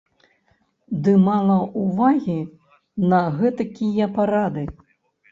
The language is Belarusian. Ды мала ўвагі на гэтакія парады.